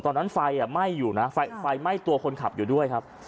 ตอนนั้นไฟไหม้อยู่นะไฟไหม้ตัวคนขับอยู่ด้วยครับ